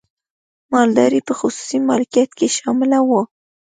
مالداري په خصوصي مالکیت کې شامله وه.